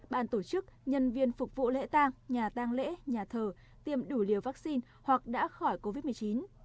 bàn tổ chức nhân viên phục vụ lễ tang nhà tăng lễ nhà thờ tiêm đủ liều vaccine hoặc đã khỏi covid một mươi chín